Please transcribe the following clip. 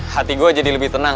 hati gue jadi lebih tenang